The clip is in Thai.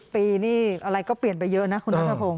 ปีนี่อะไรก็เปลี่ยนไปเยอะนะคุณนัทพงศ